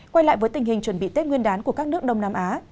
quay lại với tình hình chuẩn bị tết nguyên đán của các nước đông nam á